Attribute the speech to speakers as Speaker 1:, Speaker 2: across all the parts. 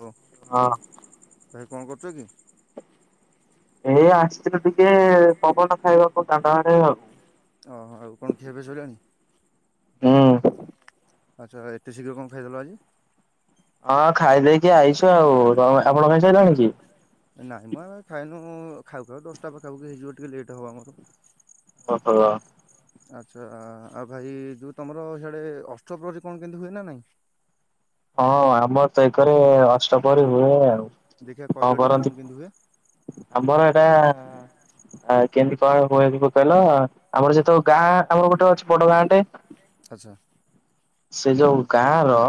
Speaker 1: ଉ
Speaker 2: ହଁ।
Speaker 1: ଭାଇ କଣ କରୁଛ କି?
Speaker 2: ଏଇ ଆସିଥିଲୁ ଟିକେ ପବନ ଖାଇବାକୁ ଦାଣ୍ଡ ଆଡେ ଆଉ
Speaker 1: ଅହ ଆଉ କଣ ଖିଆ ପିଆ ସରିଲାଣି?
Speaker 2: ହୁଁ।
Speaker 1: ଆଚ୍ଛା ଏତେ ଶୀଘ୍ର କଣ ଖାଇଦେଲ ଆଜି?
Speaker 2: ହଁ ଖାଇଦେଇକି ଆଇଛୁ ଆଉ ଆପଣ ଖାଇ ସାଇଲେଣି କି?
Speaker 1: ନାଇଁ ମ ଆମେ ଖାଇନୁ ଖାଉ ଖାଉ ଦଶଟା ପାଖାପାଖି ହେଇଯିବ ଟିକେ ଲେଟ୍ ହେବ ଆମର।
Speaker 2: ପୋଟୋଳ।
Speaker 1: ଆଚ୍ଛା ଆଉ ଭାଇ ଯୋଉ ତମର ସିଆଡ଼େ ଅଷ୍ଟପ୍ରହରୀ କଣ କେମିତି ହୁଏ ନା ନାଇଁ?
Speaker 2: ହଁ ଆମର ତ ଏକରେ ଅଷ୍ଟପ୍ରହରୀ ହୁଏ ଆଉ
Speaker 1: ଦେଖିଆ କହିଲ ଟିକେ କଣ କେମତି ହୁଏ?
Speaker 2: ଆମର ଏଇଟା କେମତି କଣ ହୁଏ ଯୋଉ କଇଲ? ଆମର ଯେତେକ ଗାଁ ଆମର ଗୋଟେ ଅଛି ବଡ ଗାଁଟେ।
Speaker 1: ଆଚ୍ଛା।
Speaker 2: ସେ ଯୋଉ ଗାଁ ର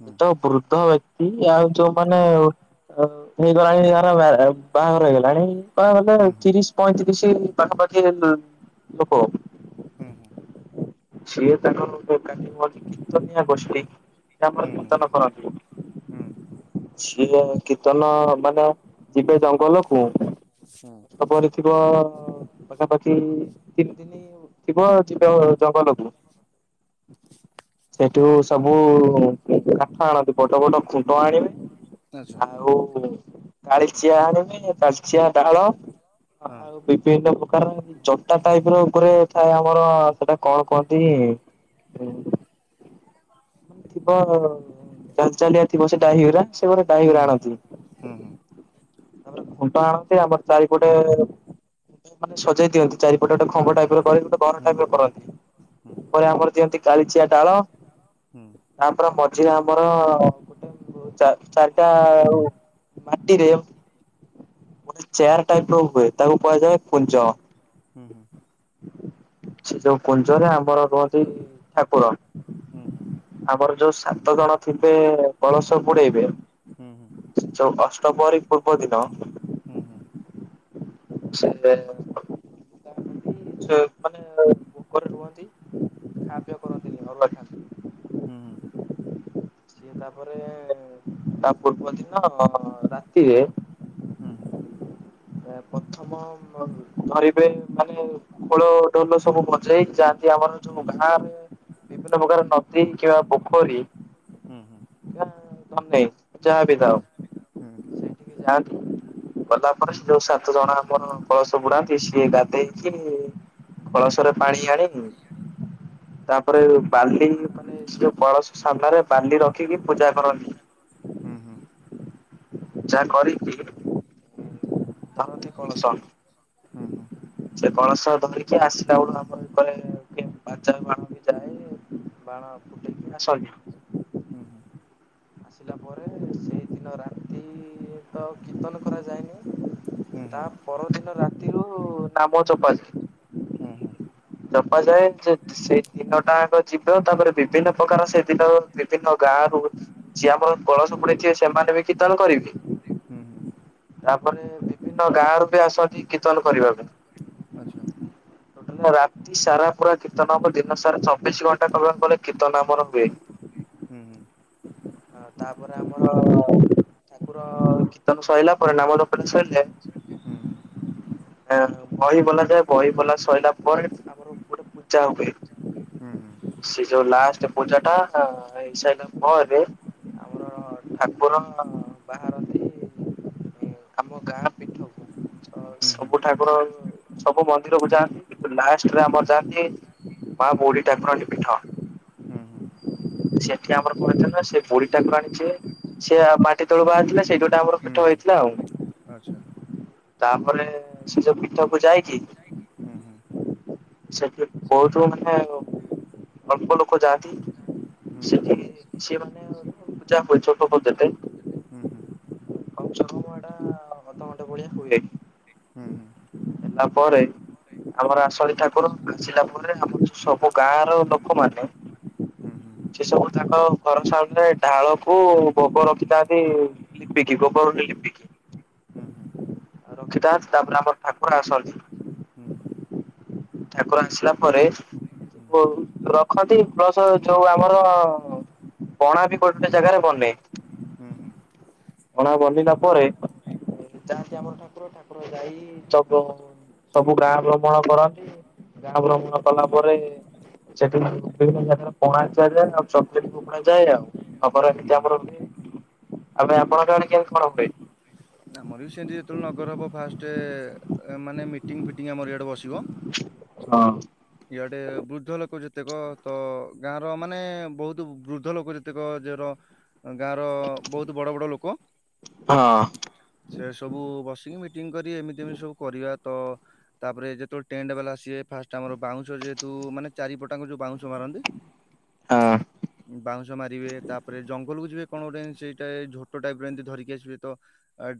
Speaker 1: ହୁଁ
Speaker 2: ତ ବୃଦ୍ଧ ବ୍ୟକ୍ତି ଆଉ ଯୋଉମାନେ ନି ହେଇଗଲାନି। ଆ ବା ବାହାଘର ହେଇଗଲାଣି
Speaker 1: ହୁଁ
Speaker 2: [inaudible]
Speaker 1: ହୁଁ।
Speaker 2: ତିରିଶ ପଇଁତିରିଶ ପାଖାପାଖି ହବ।
Speaker 1: ହୁଁ ହୁଁ
Speaker 2: ସିଏ ତାଙ୍କର ଦୋକାନିଆ କିର୍ତନିଆ ଗୋଷ୍ଟି ତାପରେ
Speaker 1: ହୁଁ ହୁଁ
Speaker 2: କୀର୍ତ୍ତନ
Speaker 1: ହୁଁ
Speaker 2: କରନ୍ତି। ସିଏ କୀର୍ତ୍ତନ ବାଲା ଯିବେ ଜଙ୍ଗଲକୁୁ
Speaker 1: ହୁଁ
Speaker 2: ତା ପରେ ଥିବ ପାଖା ପାଖି ତିନ ଦିନି ଥିବ ଯିବ
Speaker 1: ହୁଁ
Speaker 2: ଜଙ୍ଗଲକୁ ସେଇଠୁ ସବୁ କାଠ ଆଣନ୍ତି ବଡ଼ ବଡ଼ ଖୁଣ୍ଟ ଆଣିବେ
Speaker 1: ଆଚ୍ଛା
Speaker 2: ଆଉ କାଳିଚିଆ ଆଣିବେ କାଳିଚିଆ ଡାଳ
Speaker 1: ହଁ
Speaker 2: ଆଉ ବିଭିନ୍ନ ପ୍ରକାର ଜଟା ଟାଇପର ଉପରେ ଥାଏ ଆମର ସେଟା କଣ କୁଅନ୍ତି? ହୁଁ। ଥିବ ଚାଲି ଚାଲିଆ ଥିବ ସେ ଡ଼ାହିଗୁରା ସେମାନେ
Speaker 1: ହୁଁ
Speaker 2: ଡାହିଗୁରା
Speaker 1: ହୁଁ
Speaker 2: ଆଣନ୍ତି।
Speaker 1: ହୁଁ ହୁଁ।
Speaker 2: ତାପରେ ଘୁଣ୍ଟ ଆଣନ୍ତି ଆମର ଚାରିପଟେ ଏ ମାନେ ସଜେଇ ଦିଅନ୍ତି ଚାରି ଗୋଟେ ଗୋଟେ
Speaker 1: ହଁ
Speaker 2: ଖମ୍ବ
Speaker 1: ହଁ
Speaker 2: ଟାଇପର କରି ଗୋଟେ ଘର
Speaker 1: ହଁ
Speaker 2: ଟାଇପର
Speaker 1: ହୁଁ ହୁଁ
Speaker 2: କରନ୍ତି ପରେ ଆମର ଦିଅନ୍ତି କାଳିଚିଆ ଡାଳ
Speaker 1: ହୁଁ।
Speaker 2: ତାପରେ ମଝିରେ ଆମର ଓ ଚାର ଚାରଟା ଆଉ ମାଟିରେ ଚେୟାର ଟାଇପର ହୁଏ ତାକୁ କୁହାଯାଏ କୁଞ୍ଜ।
Speaker 1: ହୁଁ ହୁଁ
Speaker 2: ସେ ଯୋଉ କୁଞ୍ଜରେ ଆମର ରୁହନ୍ତି ଠାକୁର।
Speaker 1: ହୁଁ ହୁଁ।
Speaker 2: ଆମର ଯୋଉ ସାତ ଜଣ ଥିବେ କଳସ ବୁଡେଇବେ
Speaker 1: ହୁଁ ହୁଁ।
Speaker 2: ଯୋଉ ଅଷ୍ଟପ୍ରହରୀ ପୂର୍ବ ଦିନ
Speaker 1: ହୁଁ ହୁଁ।
Speaker 2: ସେ ମାନେ ଉପରେ ରୁହନ୍ତି। ଖାଆ ପିଅ କରନ୍ତିନି ଅରୁଆ ଖାଆନ୍ତି।
Speaker 1: ହୁଁ।
Speaker 2: ସିଏ ତାପରେ ଏ ତା ପୂର୍ବ ଦିନ ରାତିରେ
Speaker 1: ହୁଁ ହୁଁ।
Speaker 2: ପ୍ରଥମ ଧରିବେ ମାନେ ଖୋଳ ଢୋଲ ସବୁ ବଜେଇ ଯାଆ କି ଆମର ଯୋଉ ବାହାରେ, ବିଭିନ୍ନ ପ୍ରକାର ନଦୀ କିମ୍ବା ପୋଖରୀ
Speaker 1: ହୁଁ ହୁଁ ହୁଁ
Speaker 2: ନା ନଦୀ ଯାହା ବି ଥାଉ। ଯାଆନ୍ତି। ଗଲା ପରେ ସେ ସାତ ସାତ ଜଣ ଆମର କଳସ ବୁଡ଼ାନ୍ତି ସିଏ ଗାଧେଇକି କଳସରେ ପାଣି ଆଣିକି ତାପରେ ବାଲି ମାନେ ସେ ଯୋଉ କଳସ ସାମ୍ନାରେ ବାଲି ରଖିକି ପୂଜା କରନ୍ତି।
Speaker 1: ହୁଁ ହୁଁ।
Speaker 2: ଯାହା କରିକି
Speaker 1: [inaudible]
Speaker 2: ଧରନ୍ତି କଳସ, ସେ କଳସ ଧରି ସେ ଆସିଲା ବେଳୁ ଆମର ଏକରେ-' ବାଜା ବାଣ ବି ଯାଏ ବାଣ ଫୁଟେଇକି ଆସନ୍ତି।
Speaker 1: ହୁଁ ହୁଁ।
Speaker 2: ଆସିଲା ପରେ ସେଇଦିନ ରାତି ତ କୀର୍ତ୍ତନ କରାଯାଏନି ତା ପରଦିନ ରାତିରୁ, ନାମ ଚପା
Speaker 1: ହୁଁ ହୁଁ।
Speaker 2: ଜପ ଯାଏ। ସେ-ସେଇ ଦିନ ଟା ଙ୍କ ଯିବ। ତାପରେ ବିଭିନ୍ନ ପ୍ରକାର ସେଦିନ ବିଭିନ୍ନ ଗାଁରୁ ଯିଏ ଆମର କଳସ ବୁଡେଇଥିବେ ସେମାନେ ବି କୀର୍ତ୍ତନ କରିବେ
Speaker 1: ହୁଁ ହୁଁ।
Speaker 2: ତାପରେ ବିଭିନ୍ନ ଗାଁରୁ ବି ଆସନ୍ତି କୀର୍ତ୍ତନ କରିବା ପାଇଁ। ଟୋଟାଲ୍ ରାତି ସାରା ପୁରା କୀର୍ତନ ହବ, ଦିନ ସାରା ଚବିସ୍ ଘଣ୍ଟା କହିବାକୁ ଗଲେ କୀର୍ତ୍ତନ ଆମର ହୁଏ।
Speaker 1: ହୁଁ ହୁଁ।
Speaker 2: ହଁ ତାପରେ ଆମର, ଠାକୁର ତେଣୁ ସଇଲା ପରିଣାମ [unintelligible] ଦେନ୍ ବହି ବୋଲା ଯାଏ। ବହି ବଲା ସଇଲା ପରେ ତା ପର ଗୋଟେ ପୂଜା ହୁଏ। ସେ ଯୋଉ ଲାଷ୍ଟ ପୂଜା ଟା ହେଇ ସାରିଲା ପରେ ଆମର ଠାକୁର ବାହାରନ୍ତି ଆମ ଗାଁ ମିଠଉ ସବୁ ଠାକୁର ସବୁ ମନ୍ଦିର କୁ ଯାଆନ୍ତି। ଲାଷ୍ଟରେ ଆମର ଯାଆନ୍ତି। ମା ବୁଢୀ ଠାକୁରାଣୀ ପୀଠ। ସେଠି ଆମର କଣ ହେଇଥାନ୍ତା ସେ ବୁଢୀ ଠାକୁରାଣୀ ସିଏ। ସେ ମାଟି ତୋଳୁ ବାହାରିଥିଲା ସେଇଠି ଗୋଟେ ଆମର ପୀଠ ହେଇଥିଲା ଆଉ। ତାପରେ ସେ ଯୋଉ ପୀଠକୁ ଯାଇଛି, ସେ ବୋହୁତୁ ମାନେ, ଅଳ୍ପ ଲୋକ ଯାଆନ୍ତି ସେଠି ସିଏ [unintelligible] [unintelligible] ଅଧ ଘଣ୍ଟେ ଭଳିଆ ହୁଏ
Speaker 1: ହୁଁ ହୁଁ।
Speaker 2: ହେଲା ପରେ ଆମର ଆଶାଢୀ ଠାକୁର ଆସିଲା ପରେ ଆମ ସବୁ ଗାଁର ଲୋକମାନେ ସେ ସବୁ ତାଙ୍କ ଭରସା ମାନେ ଢାଳକୁ ଗୋବର ରଖିଥାନ୍ତି ଲିପିକି, ଗୋବରରୁ ଲିପିକି
Speaker 1: ହୁଁ ହୁଁ।
Speaker 2: ରଖିଥାନ୍ତି। ତାପରେ ଆମର ଠାକୁର ଆସନ୍ତି। ଠାକୁର ଆସିଲା ପରେ, ପ ରଖନ୍ତି ପ୍ଲସ୍ ଯୋଉ ଆମର ପଣା ବି ଗୋଟେ ଜାଗାରେ ବନେ। ପଣା ବନିଲା ପରେ ଯହାନ୍ତି ଆମର ଠାକୁର ଠାକୁର ଯାଇ ସବୁ ଗାଁ ଭ୍ରମଣ କରନ୍ତି। ଗାଁ ଭ୍ରମଣ କଲା ପରେ [unintelligible] ସେ ପଣା [unintelligible] ଯାଇ ଆଉ [unintelligible] ଆଉ ଆପଣଙ୍କ ଆଡେ କେମିତି କଣ ହୁଏ?
Speaker 1: ଆମର ବି ସେମତି ଯେତେବେଳେ ନଗର ହବ ଫାଷ୍ଟ ମାନେ ମିଟିଙ୍ଗ ଫିଟିଙ୍ଗ ଆମର ଇଆଡେ ବସିବ।
Speaker 2: ହଁ।
Speaker 1: ଇଆଡେ ବୃଦ୍ଧ ଲୋକ ଯେତେକ ତ ଗାଁର ମାନେ ବହୁତ ବୃଦ୍ଧ ଲୋକ ଯେତେ ପ୍ରତ୍ୟେକ ଯ ଗାଁ ର ବହୁତ ବଡ ବଡ ଲୋକ
Speaker 2: ହଁ
Speaker 1: ସେ ସବୁ ବସିକି ଏମତିମ ସବୁ କରିବା ତ ତାପରେ ଯେତେବେଳେ ଟେଣ୍ଟ ବାଲା ଆସିବେ ଫା ଆମର ବାଉଁଶ ଯେହେତୁ ମାନେ ଚିପଟାଙ୍କୁ ଯୋଉ ବାଉଁଶ ମାରନ୍ତି।
Speaker 2: ହଁ।
Speaker 1: ବାଉଁଶ ମାରିବେ ତାପରେ ଜଙ୍ଗଲ କୁ ଯିବେ କଣ ଗୋଟେ ସେଇଟା ଝୋଟ ଟାଇପ ର ଏମିତି ଧରିକି ଆସିବ।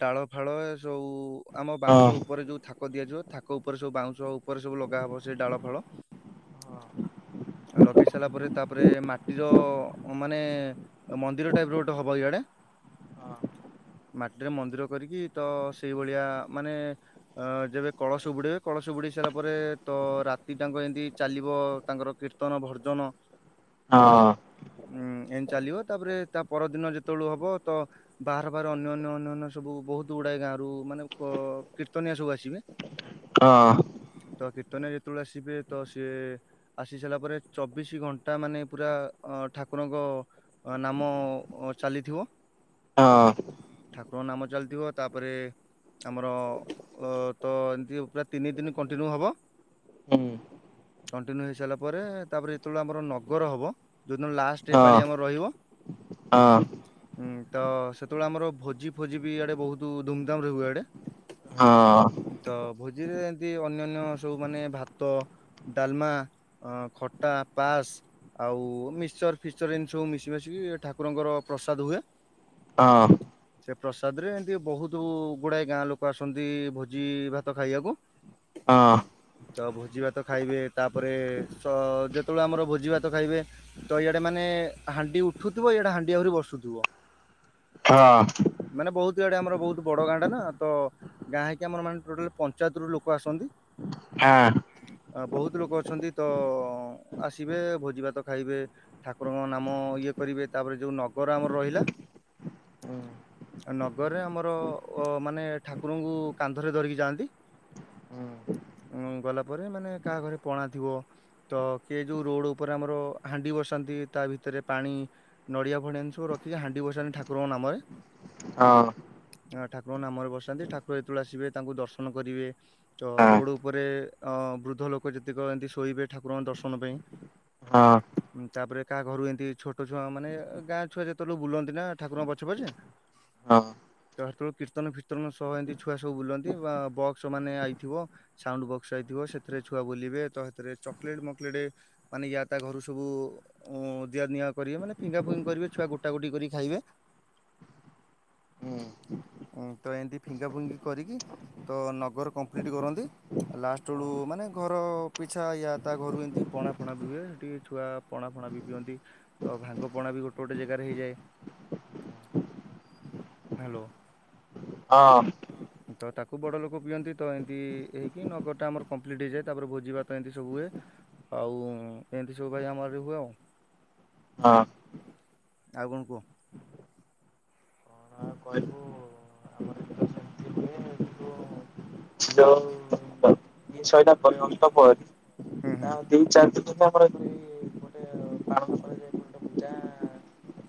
Speaker 1: ଡାଳ ଫାଳ ସଉ ଆମ
Speaker 2: ହଁ
Speaker 1: ବାଉଁଶ ଉପରେ ଯୋଉ ଥାକ ଦିଆଯିବ ଥାାକ ଉପରେ ସବୁ ବାଉଁଶ ଉପରେ ସବୁ ଲଗା ହବ ସେ ଡାଳ ଫଳ। ଆଉ ଲଗେଇ ସାରିଲା ପରେ ତାପରେ ମାଟିର ମାନେ ମନ୍ଦିର ଟାଇପ ର ଗୋଟେ ହବ ଇଆଡେ ମାଟି ରେ ମନ୍ଦିର କରିକି ତ ସେଇ ଭଳିଆ ମାନେ ଅ ଯେବେ କଳସ ବୁଡେଇବେ କଳସ ବୁଡେଇ ସାରିଲା ପରେ ତ ରାତି ଜାକ ତାଙ୍କ ଏମିତି ଚାଲିବ ତାଙ୍କର କୀର୍ତ୍ତନ ଭଜନ।
Speaker 2: ହଁ।
Speaker 1: ଉଁ ଏ ଚାଲିବ ତାପରେ ତା ପରଦିନ ଯେତେବେଳୁ ହବ ବାହାର ବାହାର ଅନ୍ୟ ଅନ୍ୟ ଅନ୍ୟ ଅନ୍ୟ ସବୁ ବହୁତ ଗୁଡାଏ ଗାଁ ରରୁ ମାନେ କୀର୍ତ୍ତନିଆ ସବୁ ଆସିବେ।
Speaker 2: ହଁ।
Speaker 1: ତ କୀର୍ତ୍ତନୀଆ ଯେତେବେଳେ ଆସିବେ ତ ସିଏ ଆସି ସାରିଲା ପରେ ଚବିଶି ଘଣ୍ଟା ମାନେ ପୁରା ଅ ଠାକୁରଙ୍କ ନାମ ଚାଲିଥିବ।
Speaker 2: ହଁ।
Speaker 1: ଠାକୁରଙ୍କ ନାମ ଚାଲିଥିବ ତାପରେ ଆମର ତ ଏମିତି ପୁରା ତିନି ଦିନ କଣ୍ଟିନ୍ୟୁ ହେବ।
Speaker 2: ହୁଁ।
Speaker 1: କଣ୍ଟିନ୍ୟୁ ହେଇସାରିଲା ପରେ ତାପରେ ଯେତେବେଳେ ଆମର ନଗର ହବ ଯେଉଦିନ ଲାଷ୍ଟ ପାଳି
Speaker 2: ହଁ
Speaker 1: ଆମର ରହିବ।
Speaker 2: ହଁ
Speaker 1: ହୁଁ, ତ ସେତେବେଳେ ଆମର ଭୋଜି ଫୋଜି ବି ଆଡେ ବହୁତ ଧୁମଧାମ ରେ ହୁଏ ଇଆଡେ।
Speaker 2: ହଁ।
Speaker 1: ତ ଭୋଜିରେ ଏମତି ଅନ୍ୟାନ୍ୟ ସବୁ ମାନେ ଭାତ ଡାଲମା, ଖଟା, ପାଏସ୍ ଆଉ ମିସ୍ଚର ଫିସ୍ଚର ଏମିତି ସବୁ ମିଶି ମାଶିକି ଠାକୁରଙ୍କର ପ୍ରସାଦ ହୁଏ।
Speaker 2: ହଁ।
Speaker 1: ସେ ପ୍ରସାଦ ରେ ଏମିତି ବହୁତ ଗୁଡାଏ ଗାଁ ଲୋକ ଆସନ୍ତି ଭୋଜି ଭାତ ଖାଇବାକୁ।
Speaker 2: ହଁ।
Speaker 1: ତ ଭୋଜି ଭାତ ଖାଇବେ ତାପରେ ଯେତେବେଳେ ଆମର ଭୋଜି ଭାତ ଖାଇବେ ତ ଇଆଡେ ମାନେ ହାଣ୍ଡି ଉଠୁଥିବ ଇଆଡେ ହାଣ୍ଡି ଆହୁରି ବସୁଥିବ।
Speaker 2: ହଁ।
Speaker 1: ମାନେ ବହୁତ ଇଆଡେ ଆମର ବହୁତ ବଡ ଗାଁଟା ନା ତ ଗାଁ ହେଇକି ଆମର ମାନେ ଟୋଟାଲ ପଞ୍ଚାୟତରୁୁ ଲୋକ ଆସନ୍ତି।
Speaker 2: ହାଁ।
Speaker 1: ହୁଁ, ବହୁତ ଲୋକ ଅଛନ୍ତି ତ ଆସିବେ ଭୋଜି ଭାତ ଖାଇବେ ଠାକୁରଙ୍କ ନାମ ଇଏ କରିବେ ତାପରେ ଯୋଉ ନଗର ଆମର ରହିଲା
Speaker 2: ହୁଁ।
Speaker 1: ଆଉ ନଗରରେ ଆମର ଅ ମାନେ ଠାକୁରଙ୍କୁ କାନ୍ଧରେ ଧରିକି ଯାଆନ୍ତି। ହୁଁ, ଗଲା ପରେ ମାନେ କାହା ଘରେ ପଣା ଥିବ ତ କିଏ ଯୋଉ ରୋଡ ଉପରେ ଆମର ହାଣ୍ଡି ବସାନ୍ତି ତା ଭିତରେ ପାଣି ନଡିଆ ଫଡ଼ିଆ ଏମିତି ସବୁ ରଖିକି ହାଣ୍ଡି ବସାନ୍ତି ଠାକୁରଙ୍କ ନାମରେ।
Speaker 2: ହଁ।
Speaker 1: ହଁ, ଠାକୁରଙ୍କ ନାମରେ ବସାନ୍ତି ଠାକୁର ଯେତେବେଳେ ଆସିବେ ତାଙ୍କୁ ଦର୍ଶନ କରିବେ ତ ରୋଡ ଉପରେ ଅ ବୃଦ୍ଧ ଲୋକ ଯେତିକ ଏମିତି ଶୋଇବେ ଠାକୁରଙ୍କ ଦର୍ଶନ ପାଇଁ।
Speaker 2: ହଁ।
Speaker 1: ତାପରେ କାହା ଘରୁ ଏମିତି ଛୋଟ ଛୁଆ ମାନେ ଗାଁ ଛୁଆ ଯେତେବେଳଳେ ବୁଲନ୍ତି ନା ଠାକୁରଙ୍କ ପଛେ ପଛେ
Speaker 2: ହଁ!
Speaker 1: ତ ସେତବେଳୁକୁ କୀର୍ତ୍ତନ ଫୀର୍ତ୍ତନ ସହ ଏମିତି ଛୁଆ ସବୁ ବୁଲନ୍ତି ବା ବକ୍ସ ମାନେ ଆଇଥିବ ସାଉଣ୍ଡ ବକ୍ସ ଆଇଥିବ ସେଥିରେ ଛୁଆ ବୁଲିବେ ତ ହେଥିରେ ଚକେଲଟ ମକଲେଟ୍ ମାନେ ୟା ତା ଘରୁ ସବୁ ଉଁ ଦିଆ ନିଆ କରିବେ ମାନେ ଫିଙ୍ଗା ଫୁଙ୍ଗି କରିବେ ଛୁଆ ଗୋଟା ଗୋଟି କରି ଖାଇବେ।
Speaker 2: ହୁଁ।
Speaker 1: ଉଁ ତ ଏମିତି ଫିଙ୍ଗା ଫିଙ୍ଗି କରିକି ତ ନଗର କମ୍ପ୍ଲିଟ୍ କରନ୍ତି ଲାଷ୍ଟ ବେଳୁ ମାନେ ଘର ପିଛା ୟା ତା ଘରୁ ଏମିତି ପଣା ଫଣା ପିଇବେ ଟିକେ ଛୁଆ ପଣା ଫଣା ବି ପିଅନ୍ତି ତ ଭାଙ୍ଗ ପଣା ବି ଗୋଟେ ଗୋଟେ ଜେଗାରେ ହେଇଯାଏ
Speaker 2: ହ
Speaker 1: ହ୍ୟାଲୋ।
Speaker 2: ହଁ।
Speaker 1: ତ ତାକୁ ବଡ ଲୋକ ପିଅନ୍ତି ତ ଏମିତି ହେଇ ଏଇ ନଗର ଟା ଆମର କମ୍ପ୍ଲିଟ୍ ହେଇଯାଏ ତାପରେ ଭୋଜି ଭାତ ଏମିତି ସବୁ ହୁଏ ଆଉ ଏମିତି ସବୁ ଭାଇ ଆମର ଆଡ଼େ ହୁଏ ଆଉ।
Speaker 2: ଆ
Speaker 1: ଆଉ କଣ କୁହ?
Speaker 2: କହିବୁ ଯୋଉ ଇଏ ସଇଲା ପରିବସ୍ତ ପରେ
Speaker 1: ହୁଁ
Speaker 2: ତା
Speaker 1: ହୁଁ
Speaker 2: ତିନ ଚାରି ଦିନ ପର୍ଯ୍ୟନ୍ତ ଆମର ଏପଟେ ଏଇ ଗୋଟେ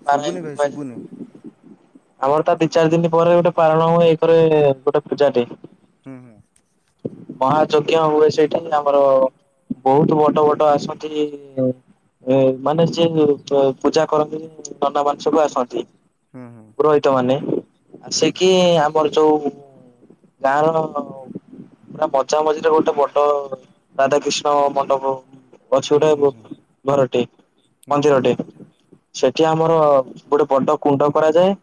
Speaker 1: ଶୁଭୁନି
Speaker 2: ପାଳନ
Speaker 1: ଭାଇ
Speaker 2: କରାଯାଏ ମଣ୍ଡପ
Speaker 1: ଶୁଭୁନି
Speaker 2: ପୂଜା [unintelligible] ଆମର ତା ଦି ଚାରି ଦିନ ପରେ ଗୋଟେ ପାଳନ ହୁଏ ଏଇ ପରେ ଗୋଟେ ପୂଜାଟେ।
Speaker 1: ହୁଁ ହୁଁ।
Speaker 2: ମହାଯଜ୍ଞ ହୁଏ ସେଇଠି ଆମର ବହୁତ ବଡ ବଡ ଆସନ୍ତି ଏ ମାନେ ଯିଏ ପ ପୂଜା କରନ୍ତି ନନାମାନେ ସବୁ ଆସନ୍ତି।
Speaker 1: ହୁଁ ହୁଁ
Speaker 2: ପୁରୋହିତ ମାନେ
Speaker 1: ହୁଁ
Speaker 2: ଆସିକିି ଆମର ଯୋଉ ଗାଁ ର ପୁର ଭ ଚ ମଝିରେ ଗୋଟେ ବଡ ରାଧାକୃିଷ୍ଣ ମଣ୍ଡପ ଅଛି
Speaker 1: ହୁଁ ହୁଁ
Speaker 2: ଗୋଟେ
Speaker 1: ହୁଁ
Speaker 2: ଘରଟେ
Speaker 1: ହୁଁ ହୁଁ।
Speaker 2: ମନ୍ଦିରଟେ ସେଠି ଆମର ଗୋଟେ ବଡ କୁଣ୍ଡ କରାଯାଏ।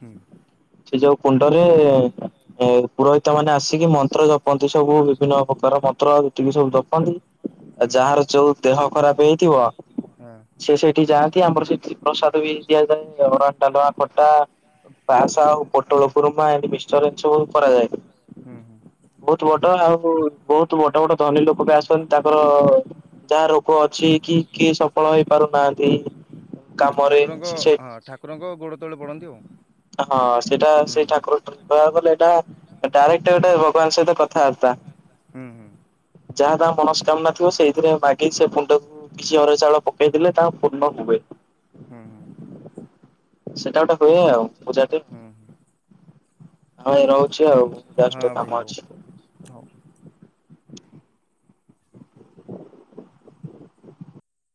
Speaker 1: ହୁଁ
Speaker 2: ସେ ଯୋଉ କୁଣ୍ଡରେ ପୁରୋହିତ ମାନେ ଆସିକି ମନ୍ତ୍ର ଜ ଧପନ୍ତି ସବୁ ବିଭିନ୍ନ ପ୍ରକାର ମନ୍ତ୍ର ଯେତିକି ସବୁ ଜପନ୍ତି। ଆ
Speaker 1: ହୁଁ ହୁଁ।
Speaker 2: ଯାହାର ଯୋଉ ଦେହ ଖରାପ ହେଇଥିବ
Speaker 1: ହଁ
Speaker 2: ସେ ସେଇଠିକି ଯାଆନ୍ତି ଆମର ସେଠି ପ୍ରସାଦ ବି ଦିଆଯାଏ ଅରୁଆ, ଡାଲମା, ଖଟା। ପାସ୍ ଆଉ ପୋଟଳ କୁରୁମା ଏମତି
Speaker 1: ହୁଁ ହୁଁ।
Speaker 2: [unintelligible] ଆଉ ବହୁତୁ ବଡ ବଡ ଧନୀ ଲୋକ ବି ଆସନ୍ତି ତାଙ୍କର ଯାହା ର ରୋଗ ଅଛି କି କିଏ ସଫଳ ହେଇ ପାରୁନାହାନ୍ତି।
Speaker 1: ଠାକୁରଙ୍କ ହଁ ଠାକୁରଙ୍କ ଗୋଡ଼ ତଳେ ପଡ଼ନ୍ତି ଆଉ।
Speaker 2: ହଁ ସେଇଟା
Speaker 1: ହୁଁ
Speaker 2: ସେଇ ଠାକୁର କହିବାକୁ ଗଲେ ଏଇଟା ଡାଇରେକ୍ଟ ଗୋଟେ ଭଗବାନଙ୍କ ସହିତ କଥାବାର୍ତା।
Speaker 1: ହୁଁ ହୁଁ।
Speaker 2: ତାଙ୍କ
Speaker 1: ଯାହାର ଯାହା
Speaker 2: ମନସ୍କାମନା ଥିବ
Speaker 1: ମନୋସ୍କାମନା
Speaker 2: ସେଇଥିରେ ମାଗି ସେ ମୁଣ୍ଡକୁ କିଛି ଅରୁଆ ଚାଉଳ ପକେଇଦେଲେ ତାଙ୍କ ପୂର୍ଣ୍ଣ
Speaker 1: ଥିବ।
Speaker 2: ହୁଏ।
Speaker 1: [unintelligible] ହୁଁ।
Speaker 2: ସେଟା ଗୋଟେ ହୁଏ ଆଉ ପୂଜାଟେ।
Speaker 1: ହୁଁ ହୁଁ
Speaker 2: ଆଉ ଭାଇ ରହୁଚି ଆଉ, ଯାଉଚି
Speaker 1: ହଁ
Speaker 2: ଟିକେ
Speaker 1: ଭାଇ
Speaker 2: କାମ ଅଛି।
Speaker 1: ହଉ ହଉ।